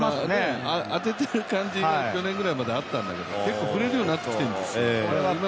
当ててる感じが去年ぐらいまであったけど振れるようになってきてるんですよね。